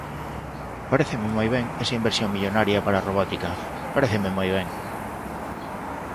Paréceme moi ben esa inversión millonaria para a robótica, paréceme moi ben.